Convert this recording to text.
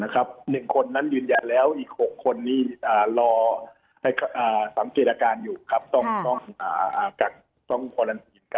๑คนนั้นยืนยันแล้วอีก๖คนนี้รอให้สังเกตการณ์อยู่ต้องการต้องการวาลันซี